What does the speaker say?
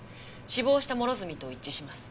死亡した諸角と一致します。